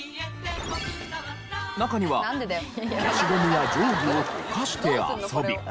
中には消しゴムや定規を溶かして遊び。